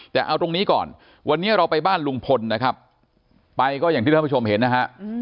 แต่เอาตรงนี้ก่อนวันนี้เราไปบ้านลุงพลนะครับไปก็อย่างที่ท่านผู้ชมเห็นนะฮะ